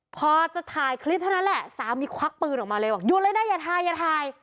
พอจะถ่ายคลิปเท่านั้นแหละสามีควักปืนออกมาเลยอยู่เลยนะอย่าทาย